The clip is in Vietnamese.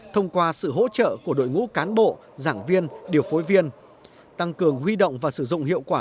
thông qua sự hỗ trợ của đội ngũ cán bộ giảng viên điều phối viên tăng cường huy động và sử dụng hiệu quả